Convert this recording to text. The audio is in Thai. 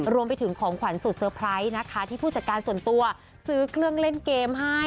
รวมไปถึงของขวัญสุดเตอร์ไพรส์นะคะที่ผู้จัดการส่วนตัวซื้อเครื่องเล่นเกมให้